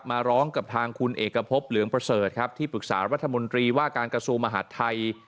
มาร้องกับทางคุณเอกพบเหลืองประเสริฐครับที่ปรึกษารัฐมนตรีว่าการกระทรวงมหาดไทย